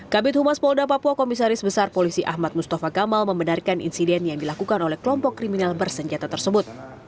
kabit humas polda papua komisaris besar polisi ahmad mustafa gamal membenarkan insiden yang dilakukan oleh kelompok kriminal bersenjata tersebut